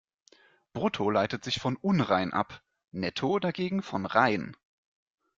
Brutto leitet sich von "unrein" ab, netto dagegen von "rein".